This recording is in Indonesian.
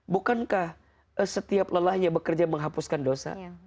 bukankah setiap lelahnya bekerja menghapuskan dosa